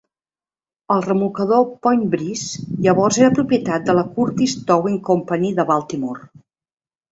El remolcador "Point Breeze" llavors era propietat de la Curtis Towing Company de Baltimore.